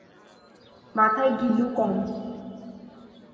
মাথায় ঘিলু কম।